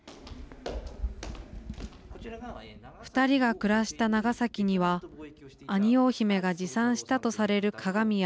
２人が暮らした長崎にはアニオー姫が持参したとされる鏡や